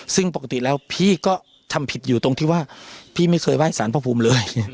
ซึ่งปกติแล้วพี่ก็ทำผิดอยู่ตรงที่ว่าพี่ไม่เคยไห้สารพระภูมิเลย